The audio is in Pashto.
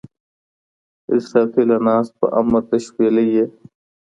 اسرافیله ناست په امر د شپېلۍ یې